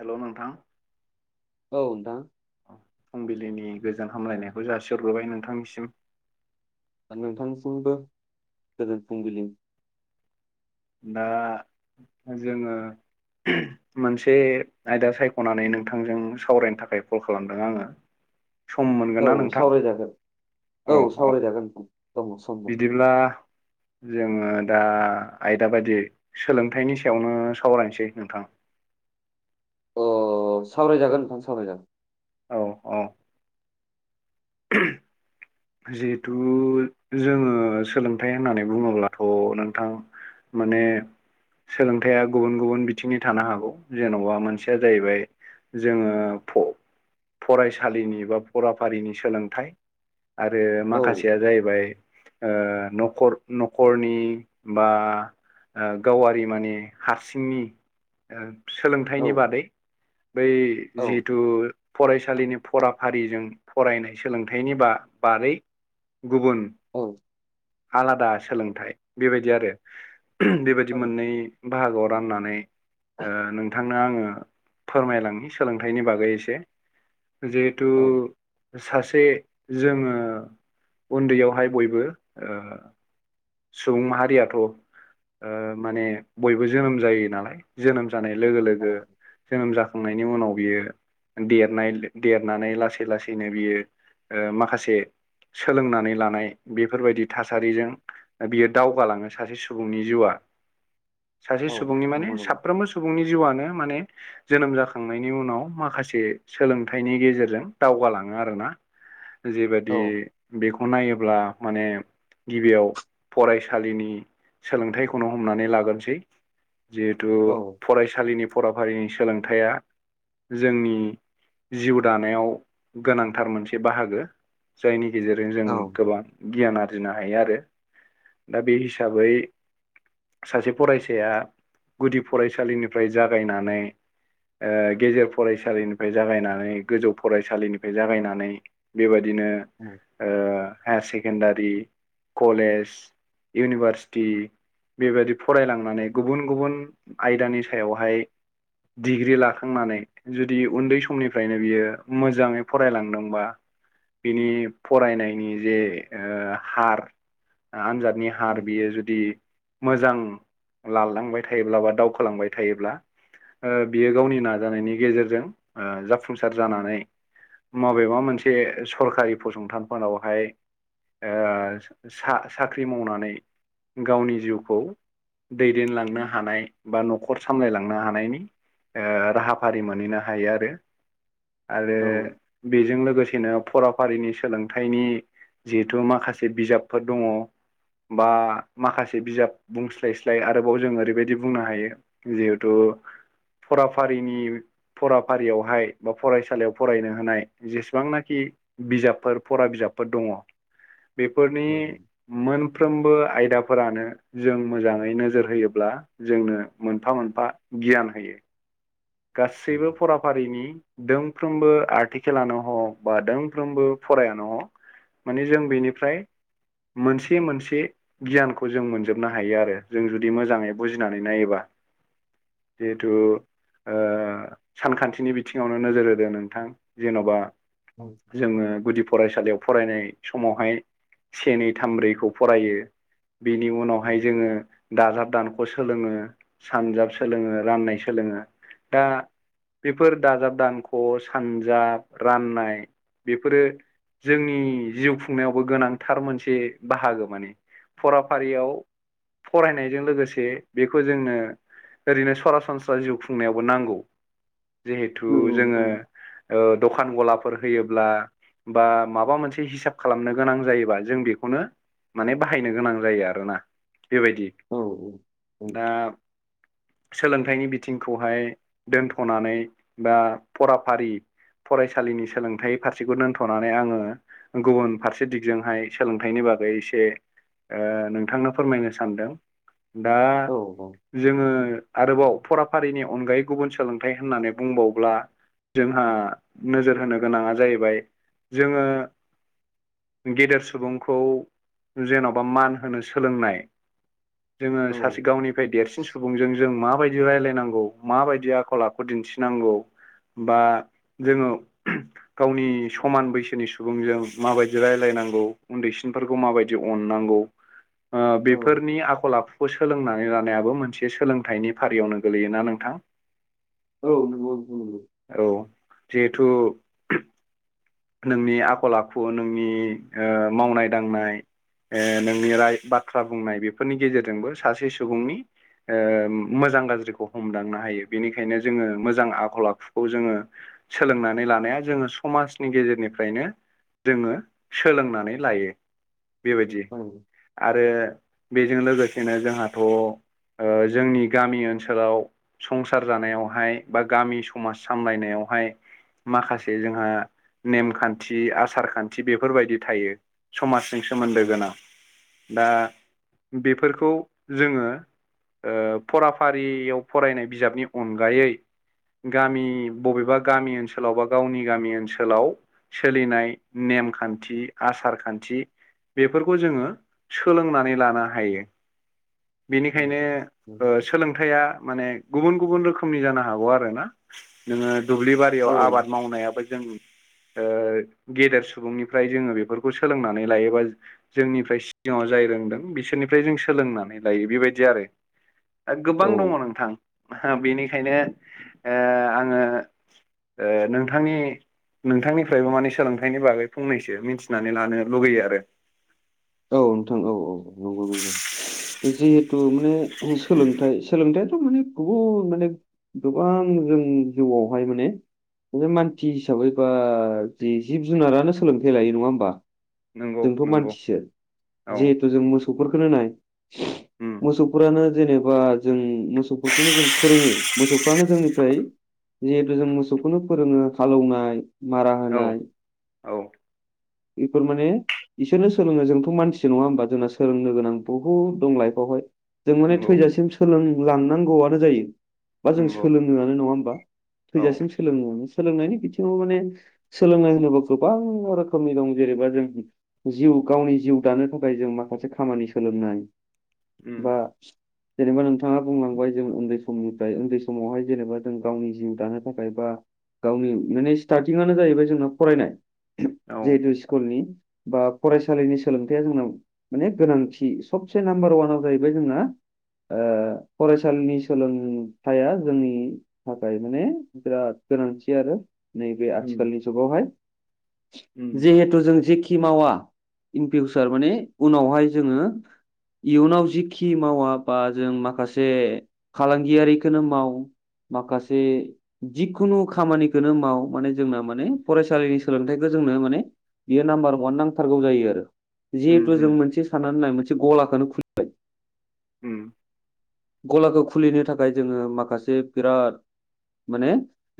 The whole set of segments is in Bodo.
हेल' नोंथां नोंथां फुंबिलिनि गोजोन हामलायनायखौ जासिहरग्रोबाय नोंथांनिसिम नोंथांसिमबो गोजोन फुंबिलि दा जोङो मोनसे आयदा सायख'नानै नोंथांजों सावरायनो थाखाय कल खालामदों आङो सम मोनगोन औ ना नोंथां? औ औ जागोन बिदिब्ला जोङो दा आयदा बायदि सोलोंथाइनि सायावनो सावरायनोसै नोंथां अ सावरायजागोन नोंथां सावरायजागोन औ औ [inaudible] जिहेथु जोङो सोलोंथाइ होननानै बुङोब्लाथ' नोंथां माने सोलोंथाइया गुबुन गुबुन बिथिंनि थानो हागौ जेन'बा मोनसेया जाहैबाय जोङो फ फरायसालिनि बा फराफारिनि सोलोंथाइ आरो औ माखासेया जाहैबाय ओ न'खर न'खरनि बा ओ गावारि माने हारसिंनि औ सोलोंथाइनि बादै बै औ जिहेथु फरायसालिनि फराफारिजों फरायनाय सोलोंथाइनि बा बारै गुबुन औ आलादा सोलोंथाइ बेबायदि आरो बेबायदि औ मोननै बाहागोआव राननानै ओ नोंथांनो आङो फोरमायलांनि सोलोंथाइनि बागै एसे जिहेथु औ सासे जोङो उन्दैयावहाय बयबो ओ सुबुं माहारियाथ' ओ माने बयबो जोनोम जायो नालाय जोनोम जानाय लोगो औ लोगो जोनोम जाखांनायनि उनाव बियो देरनाय देरनानै लासै लासैनो बियो ओ माखासे सोलोंनानै लानाय बेफोरबायदि थासारिजों बियो दावगालाङो सासे सुबुंनि जिउआ सासे औ सुबुंनि माने नंगौ नंगौ साफ्रोमबो सुबुंनि जिउआनो माने जोनोम जाखांनायनि उनाव माखासे सोलोंथाइनि गेजेरजों दावगालाङो आरोना औ जेबायादि बेखौ नायोब्ला माने गिबियाव फरायसालिनि सोलोंथाइखौनो हमनानै लाग्रोनोसै जिहेथु औ फरायसालिनि फराफारिनि सोलोंथाइया जोंनि जिउ दानायाव गोनांथार मोनसे बाहागो जायनि गेजेरजों जों औ गोबां गियान आरजिनो हायो आरो दा बे हिसाबै सासे फरायसाया गुदि फरायसालिनिफ्राय जागायनानै ओ गेजेर फरायसालिनिफ्राय जागायनानै गोजौ फरायसालिनिफ्राय जागायनानै बेबायदिनो औ ओ हायार सेकेणडारि, कलेज, इउनिभारसिटि बेबायदि औ फरायलांनानै गुबुन गुबुन आयदानि सायावहाय डिग्रि लाखांनानै जुदि उन्दै समनिफ्रायनो बियो मोजाङै फरायलांदोंबा बिनि फरायनायनि जे ओ हार आनजादनि हार बियो जुदि मोजां लालांबाय थायोब्ला बा दावखोलांबाय थायोब्ला ओ बियो गावनि नंगौ नाजानायनि गेजेरजों ओ जाफुंसार जानानै मबेबा मोनसे सरकारि फसंथानफोरावहाय ओ सा-साख्रि मावनानै गावनि जिउखौ दैदेनलांनो हानाय बा न'खर सामलायलांनो हानायनि ओ राहा फारि मोनहैनो हायो आरो आरो बेजों लोगोसेनो फराफारिनि सोलोंथाइनि जिहेथु माखासे बिजाबफोर दङ बा माखासे बिजाब बुंस्लायस्लाय आरोबाव जों ओरैबायदि बुंनो हायो जिहेथु फराफारिनि फराफारियावहाय बा फरायसालियाव फरायनो हानाय जेसेबांनाखि बिजाबफोर फरा बिजाबफोर दङ बेफोरनि औ मोनफ्रोमबो आयदाफोरानो जों मोजाङै नोजोर होयोब्ला जोंनो मोनफा मोनफा गियान होयो गासैबो फरा फा रिनि दोंफ्रोमबो आर्टिकेलानो हक बा दोंफ्रोमबो फरायानो हक माने जों बेनिफ्राय मोनसे मोनसे गियानखौ जों मोनजोबनो हायो आरो जों जुदि मोजाङै बुजिनानै नायोबा जिहेथु ओ सानखान्थिनि बिथिङावनो नोजोर होदों नोंथां जेन'बा औ जोङो गुदि फरायसालियाव फरायनाय समावहाय से नै थामब्रैखौ फरायो बेनि उनावहाय जोङो दाजाब दानख' सोलोङो सानजाब सोलोङो राननाय सोलोङो दा बेफोर दाजाब दानख' सानजाब राननाय बेफोरो जोंनि जिउ खुंनायावबो गोनांथार मोनसे बाहागो माने फराफारियाव फरायनायजों लोगोसे बेखौ जोंनो ओरैनो सरासनस्रा जिउ खुंनायावब बो नांगौ जिहेथु जोङो ओ दखान गलाफोर होयोब्ला बा माबा मोनसे हिसाब खालामनो गोनां जायोबा जों बेखौनो माने बाहायनो गोनां जायो आरोना बेबायदि ‌ दा सोलोंथाइनि बिथिंखौहाय दोनथ'नानै बा फराफारि फरायसालिनि सोलोंथाइ फारसेखौ दोनथ'नानै आङो गुबुन फारसे दिगजोंहाय सोलोंथाइनि बागै एसे ओ नोंथांनो फोरमायनो सानदों। दा औ जोङो आरोबाव फराफारिनि अनगायै गुबुन सोलोंथाइ होननानै बुंबावोब्ला जोंहा नोजोर होनो गोनाङा जाहैबाय जोङो गेदेर सुबुंखौ जेन'बा मान होनो सोलोंनाय जोङो सासे गावनिफ्राय देरसिन सुबुंजों जों माबायदि रायलायनांगौ माबायदि आखल आखु दिन्थिनांगौ बा जोङो गावनि समान बैसोनि सुबुंजों माबायदि रायलायनांगौ उन्दैसिनफोरखौ माबायदि अननांगौ [inaudible] ओ बेफोरनि आखल आखुखौ सोलोंनानै लानायाबो मोनसे सोलोंथाइनि फारियावनो गोलैयोना नोंथां। औ नंगौ नोंथां नंगौ। औ जिहेथु नोंनि आखल आखु नोंनि ओ मावनाय दांनाय ओ नोंनि राय बाथ्रा बुंनाय बेफोरनि गेजेरजोंबो सासे सुबुंनि ओ मोजां गाज्रिखौ हमदांनो हायो बेनिखायनो जोङो मोजां आखल आखुखौ जोङो। सोलोंनानै लानाया जोङो समाज नि गेजेरनिफ्रायनो जोङो सोलोंनानै लायो बेबायदि औ। आरो बेजों लोगोसेनो जोंहाथ' ओ जोंनि गामि ओनसोलाव संसार जानायावहाय बा गामि समाज सामलायनायावहाय माखासे जोंहा। नेमखान्थि आसार खान्थि बेफोरबायदि थायो। समाजजों सोमोन्दो गोनां दा बेफोरखौ जोङो। ओ फराफारियाव फरायनाय बिजाबनि अनगायै। गामि बबेबा गामि ओनसोलाव बा गावनि गामि ओनसोलाव। सोलिनाय नेमखान्थि आसार खान्थि। बेफोरखौ जोङो सोलोंनानै लानो हायो। बेनिखायनो औ ओ सोलोंथाइया माने गुबुन गुबुन रोखोमनि जानो हागौ आरो ना नोङो दुब्लि औ बारियाव आबाद मावनायाबो जों ओ गेदेर सुबुंनिफ्राय जोङो बेफोरखौ सोलोंनानै लायोबा जोंनिफ्राय सिगाङाव जाय रोंदों बिसोरनिफ्राय जों सोलोंनानै लायो बेबायदि आरो औ गोबां दङ नोंथां। आहा बेनिखायनो आ आङो ओ नोंथांनि नोंथांनिफ्रायबो माने सोलोंथाइनि बागै फंनैसो मिथिनानै लानो लुगैयो आरो औ नोंथां औ औ नंगौ नंगौ। जिहेथु माने सोलोंथाइ सोलोंथाइाथ' माने गुबुन माने। गोबां जों जिउआवहाय माने। बे मानसि हिसाबै बा जि जिब जुनारानो सोलोंथाइ लायो नङा होमबा। नंगौ जोंथ' नंगौ मानसिसो औ जिहेथु जों मोसौफोरखौनो नाय [inaudible] मोसौफोरानो जेनेबा जों मोसौफोरखौनो जों फोरोङो मोसौफ्रानो जोंनिफ्राय जिहेथु जों मोसौखौनो फोरोङो हालौनाय मारा औ होनाय औ बेफोर माने बिसोरनो सोलोङो जों बे' मानसि नङा होमबा जोंना सोलोंनो गोनां बहुद दं लाइफआवहाय जों माने नंगौ थैजासिम सोलोंलांनांगौआनो जायो बा जों नंगौ सोलोङोआनो नङा होमबा। औ थैजासिम सोलोंलाङो सोलोंनायनि बिथिङाव माने। सोलोंनाय होनोबा गोबां रोखोमनि दं जेनेबा जों जिउ गावनि जिउ दानो थाखाय जों माखासे खामानि सोलोंनाय उम बा जेनेबा नोंथाङा बुंलांबाय जों उन्दै समनिफ्राय उन्दै समावहाय जेनेबा जों गावनि जिउ दानो थाखाय बा गावनि माने स्टार्टिंआनो जाहैबाय जोंना फरायनाय। औ जिहेतु स्कुलनि बा फरायसालिनि सोलोंथाइया जोंनााव माने गोनांथि सबसे नाम्बार वानाव जाहैबाय जोंना ओ फरायसालिनि सोलोंथाया जोंनि थाखाय माने बिराद गोनांथि आरो नैबे उम आथिखालनि जुगावहाय उम जिहेथु जों जेखि मावा इन फिउसार माने उनावहाय जोङो इयुनाव जिखि मावा बा जों माखासे फालांगियारिखौनो माव माखासे जिखुनु खामानिखौनो माव माने जोंना माने फरायसालिनि सोलोंथाइखौ जोंनो माने बियो नाम्बार वान नांथारगौ जायो आरो उम जिहेथु जों उम मोनसे साननानै नाय मोनसे गलाखौनो खुलि। उम। गलाखौ खुलिनो थाखाय जोङो माखासे बिराद माने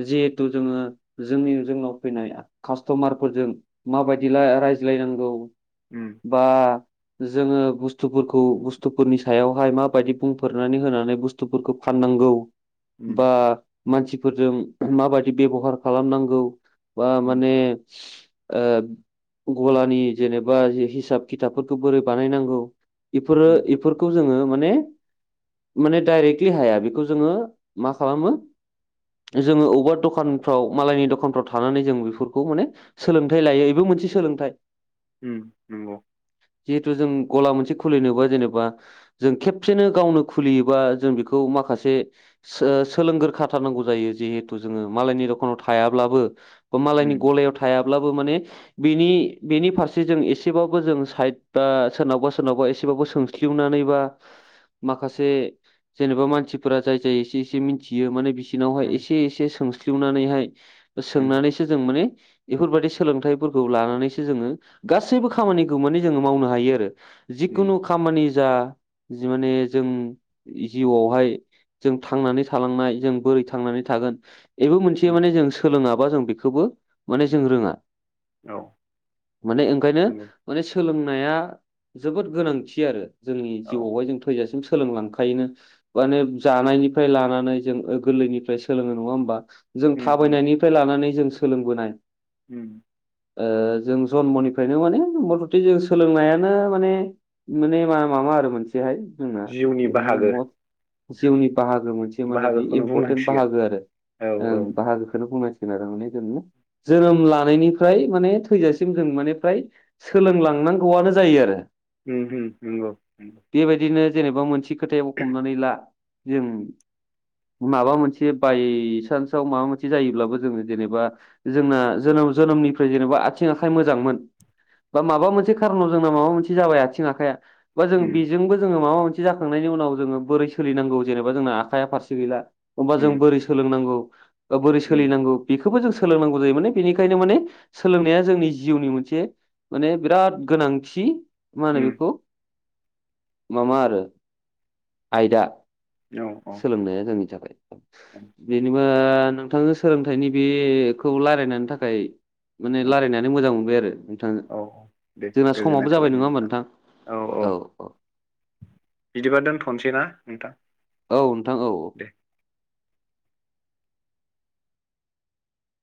जिहेथु जोङो जोंनि जोंनाव फैनाय कास्ट'मारफोरजों माबायदि रायज्लायनांगौ उम बा जोङो बुस्थुफोरखौ बुस्थुफोरनि सायावहाय माबायदि बुं फोरनानै होनानै बुस्थुफोरखौ फाननांगौ उम बा मानसिफोरजों माबायि बेबहार खालामनांगौ बा उम माने ओ गलानि जेनेबा हिसाब खिथाबफोरखौ बोरै बानायनांगौ एफोरो उम एफोरखौ जोङो माने माने डाइरेक्टलि हाया बेखौ जोङो मा खालामो जोङो बबेबा दखानफ्राव मालायनि दखानफ्राव थानानै जों बेफोरखौ माने सोलोंथाइ लायो बेबो मोनसे सोलोंथाइ। उम नंगौ। जिहेथु जों गला मोनसे खुलिनोबा जेनेबा जों खेबसेनो गावनो खुलियोबा जों बेखौ माखासे सो-सोलोंग्रो थारनांगौ जायो जिहेथु जोङो मालायनि दखानाव थायाब्लाबो बाइ मालायनि उम गलायाव थायाब्लाबो माने बेनि बेनि फारसे जों एसेबाबो जों साइद ब सोरनावबा सोरनावबा एसेबाबो सों खिवनानै बा माखासे जे-जेनेबा मानसिफोरा जाय-जाय एसे-एसे मिथियो माने बिसिरनावहाय उम एसे एसे सों [unintelligible] नानैहाय उम सोंनानैसो जों माने बेफोरबायदि सोलोंथाइफोरखौ लानानैसो जोङो गासैबो खामानिखौ माने जोङो मावनो हायो आरो। जिखुनु उम खामानि जा जि माने जों जिउआवहाय जों थांनानै थालांनाय जों बोरै थांनानै थागोन बेबो मोनसे माने उम जों सोलोङाबा जों बेखौबो माने जों रोङा। औ माने ओंखायनो नंगौ माने सोलोंनाया जोबोद गोनांथि आरो जोंनि औ जिउआवहाय जों थैजासिम सोलोंलांखायोनो माने जानायनिफ्राय लानानै जों गोरलैनिफ्राय सोलोङो नङा होमबा। जों उम थाबायनायनिफ्राय लानानै जों सोलोंबोनाय। उम। ओ जों जन्मनिफ्रायनो माने [unintelligible] जों सोलोंनायानो माने माने मा माबा आरो मोनसेहाय जोंहा जिउनि बाहागो। जिउनि बाहागो मोनसे माने बे बाहागोखौनो इम्परटेन्ट बुंनांसिगोन बाहागो आरो औ औ बाहागोखौनो बुंनो [unintelligible] जोनोम लानायनिफ्राय माने थैजासिम जों माने फ्राय सोलोंलांनांगौआनो जायो आरो। उम-उम नंगौ। बेबायदिनो जेनेबा मोनसे खोथायाव हमनानै ला जों माबा मोनसे बायसान्सआव माबा मोनसे जायोब्लाबो जोङो जेनेबा। जोंना जोनोम जोनोमनिफ्राय जेनेबा आथिं आखाइ मोजांमोन। बा माबा मोनसे खारनाव जोंना माबा मोनसे जाबाय आथिं आखाया बा जों उम बेजोंबो जोङो माबा मोनसे जाखांनायनि उनाव जोङो बोरै सोलिनांगौ जेनेबा जोंना आखाया फारसे गैला। हबा जों उम बोरै सोलोंनांगौ बा बोरै उम सोलिनांगौ। बेखौबो जों सोलोंनांगौ जायो माने बेनिखायनो माने सोलोंनाया जोंनि जिउनि मोनसे। माने बिराद गोनांथि मा होनो उम बेखौ माबा आरो। आयदा औ सोलोंनाया जोंनि थाखाय। औ जेनेबा नोंथांजों सोलोंथाइनि बेखौ रायलायनायनि थाखाय। माने औ रायलायनानै मोजां मोनबाय आरो नोंथाजों। औ दे जोंना गोजोननाय समावबो जाबाय थाबाय दे नङा होमबा नोंथां औ औ नोंथां। बिदिबा दोनथ'नोसै ना नोंथां। औ नोंथां औ। दे